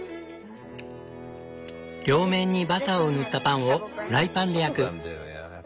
両面にバターを塗ったパンをフライパンで焼く。